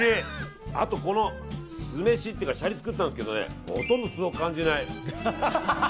あと、この酢飯っていうかシャリを作ったんですけどほとんど酢を感じない。